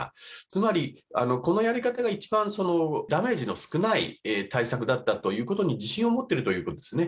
つまりこのやり方が一番、ダメージの少ない対策だったということに自信を持っているということですね。